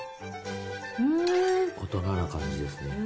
大人な感じですね。